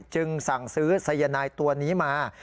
จึงสั่งซื้อสายนายตัวนี้มา